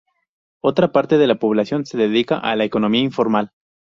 Otra parte de la población se dedica a la economía informal.